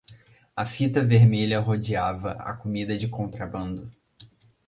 A fita vermelha rodeava a comida de contrabando.